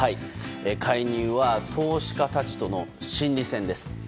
介入は投資家たちとの心理戦です。